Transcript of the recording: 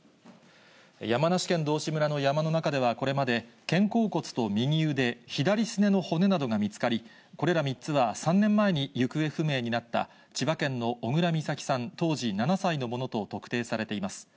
山梨県道志村の山の中では、これまで肩甲骨と右腕、左すねの骨などが見つかり、これら３つは、３年前に行方不明になった千葉県の小倉美咲さん当時７歳のものと特定されています。